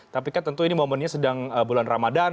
tapi kan tentu ini momennya sedang bulan ramadan